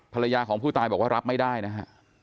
ภรรยาของผู้ตายบอกว่ารับไม่ได้นะฮะ